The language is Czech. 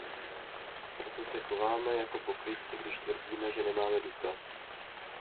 Proto se chováme jako pokrytci, když tvrdíme, že nemáme důkaz.